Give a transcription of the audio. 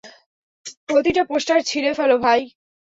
প্রতিটা পোস্টার ছিঁড়ে ফেল, ভাই।